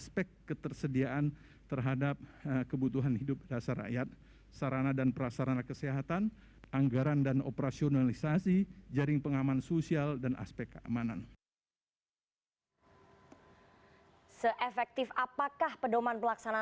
pembatasan sosial berskala besar